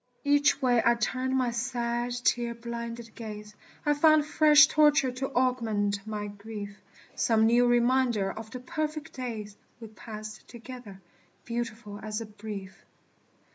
Each way I turned my sad, tear blinded gaze, I found fresh torture to augment my grief; Some new reminder of the perfect days We passed together, beautiful as brief.